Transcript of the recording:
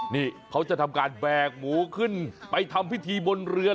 นี่เขาจะทำการแบกหมูขึ้นไปทำพิธีบนเรือ